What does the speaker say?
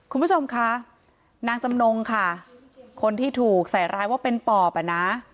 คุณผู้ชมคะนางจำนงค่ะคนที่ถูกใส่ร้ายว่าเป็นปอบอ่ะนะ